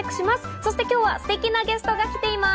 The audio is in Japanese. そして今日はすてきなゲストが来ています。